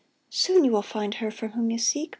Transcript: Soon you will find her For whom you seek.